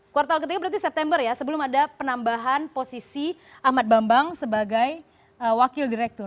kuartal ketiga berarti september ya sebelum ada penambahan posisi ahmad bambang sebagai wakil direktur